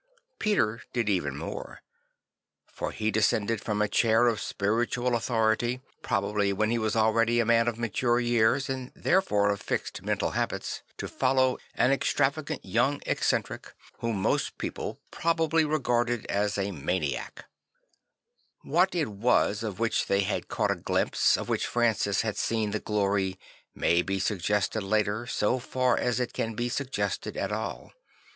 Peter did even more; for he descended from a chair of spiritual authority, probably when he was already a man of mature years and therefore of fixed mental habits, to follow an extravagant young Francis the Builder 67 eccentric whom most people probably regarded as a maniac \Vhat it was of which they had caught a glimpse, of which Francis had seen the glory, may be suggested later so far as it can be suggested at all.